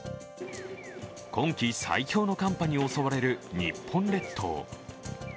今季最強の寒波に襲われる日本列島。